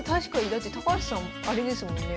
だって高橋さんあれですもんね